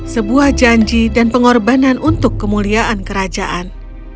sebuah janji dan pengorbanan untuk kemuliaan kerajaan